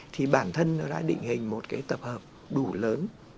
thì bản thân nó đã định hình một cái tập hợp đủ lớn